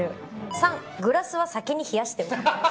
３、グラスは先に冷やしておく。